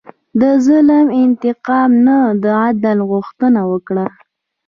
د ظلم انتقام نه، عدل غوښتنه وکړه.